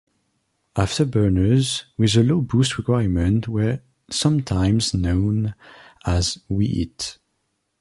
Afterburners with a low boost requirement were sometimes known as "wee-heat".